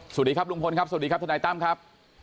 สวัสดีครับลุงพลครับสวัสดีครับทนายตั้มครับ